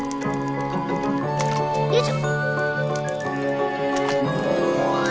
よいしょ！